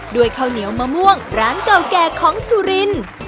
ข้าวเหนียวมะม่วงร้านเก่าแก่ของสุรินทร์